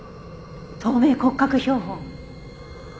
透明骨格標本。